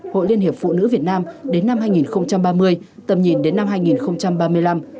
hội liên hiệp phụ nữ việt nam đến năm hai nghìn ba mươi tầm nhìn đến năm hai nghìn ba mươi năm